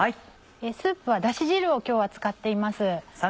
スープはだし汁を今日は使っています。